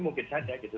mungkin saja gitu